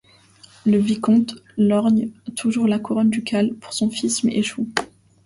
Le vicomte lorgne toujours la couronne ducale pour son fils mais échoue.